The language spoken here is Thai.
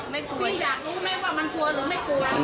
ไม่กลัวพี่อยากรู้ไหมว่ามันกลัวหรือไม่กลัว